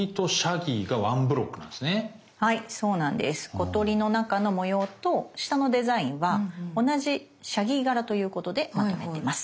小鳥の中の模様と下のデザインは同じシャギー柄ということでまとめてます。